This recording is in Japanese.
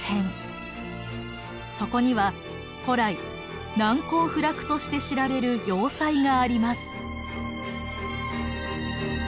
そこには古来難攻不落として知られる要塞があります。